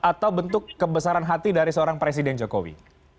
atau bentuk kebesaran hati dari seorang presiden jokowi